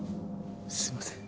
すいません。